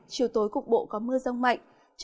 chiều tối cuộc bộ có mưa rông mạnh